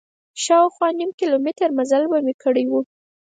شاوخوا نیم کیلومتر مزل به مې کړی و.